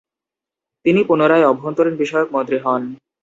তিনি পুনরায় অভ্যন্তরীণ বিষয়ক মন্ত্রী হন।